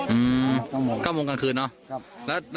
อืม๙โมงกลางคืนเนาะ